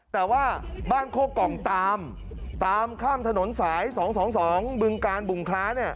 แต่ว่าบ้านโคกล่องตามตามข้ามถนนสาย๒๒๒บึงกาลบุงคล้า